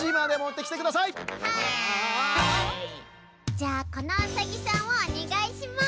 じゃあこのウサギさんをおねがいします。